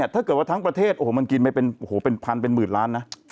ถ้าเกิดว่าทั้งประเทศโอ้โหมันกินไปเป็นพันเป็นหมื่นล้านนะ